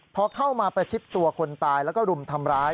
พอเข้ามาประชิดตัวคนตายแล้วก็รุมทำร้าย